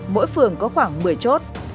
mỗi phường có khoảng một mươi chốt